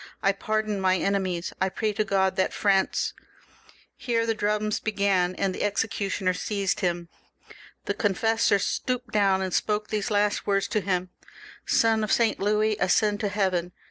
I pardon my enemies; I pray to God that France " Here the drums began, and the executioner seized him. The confessor stooped down and spoke these last words to him :— "Sonof Saint Louis, ascend to heaven!"